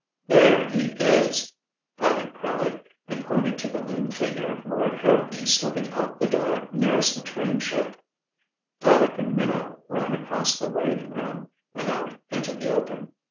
"There he is!" Paddock cried, and pointed to the lean figure of Lord Harrowby slipping out the door nearest the train shed. Paddock and Minot ran across the waiting room and out into the open.